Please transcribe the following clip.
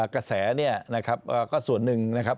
กระแสเนี่ยนะครับก็ส่วนหนึ่งนะครับ